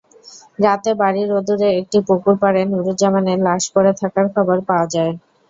রাতে বাড়ির অদূরে একটি পুকুরপাড়ে নুরুজ্জামানের লাশ পড়ে থাকার খবর পাওয়া যায়।